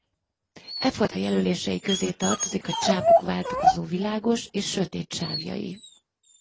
E fajta jelölései közé tartozik a csápok váltakozó világos és sötét sávjai.